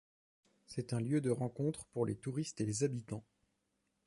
C'est un lieu de rencontre pour les touristes et les habitants.